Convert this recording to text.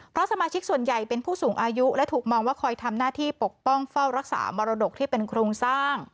เพราะสมาชิกส่วนใหญ่เป็นผู้สูงอายุและถูกมองว่าคอยทำหน้าที่ปกป้องเฝ้ารักษามรดกที่เป็นโครงสร้าง